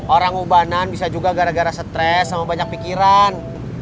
orang ubanan bisa juga gara gara stres sama banyak pikiran